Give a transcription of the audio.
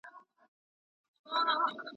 لاس ترغاړه